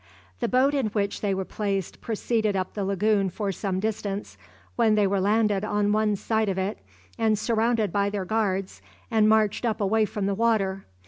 The boat in which they were placed proceeded up the lagoon for some distance, when they were landed on one side of it, and surrounded by their guards and marched up away from the water.